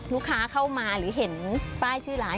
ลูกค้าเข้ามาหรือเห็นป้ายชื่อร้าน